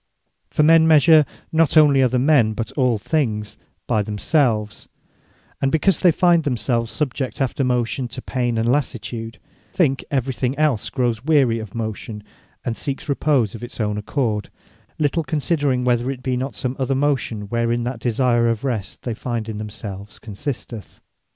For men measure, not onely other men, but all other things, by themselves: and because they find themselves subject after motion to pain, and lassitude, think every thing els growes weary of motion, and seeks repose of its own accord; little considering, whether it be not some other motion, wherein that desire of rest they find in themselves, consisteth.